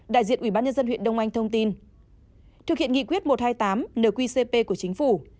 đại diện ubnd huyện đông anh thông tin thực hiện nghị quyết một trăm hai mươi tám nqcp của chính phủ